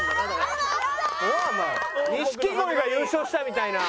錦鯉が優勝したみたいな。